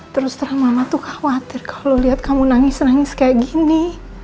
terus terang mama tuh khawatir kalau lihat kamu nangis nangis kayak gini